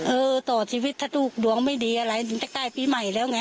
เออต่อชีวิตถ้าลูกดวงไม่ดีอะไรถึงจะใกล้ปีใหม่แล้วไง